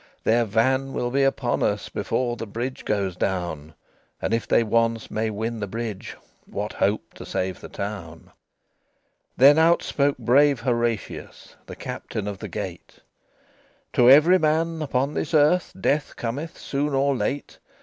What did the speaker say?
"Their van will be upon us Before the bridge goes down; And if they once may win the bridge, What hope to save the town?" XXVII Then out spake brave Horatius, The Captain of the Gate: "To every man upon this earth Death cometh soon or late.